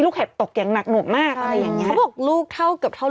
ขอบคุณครับ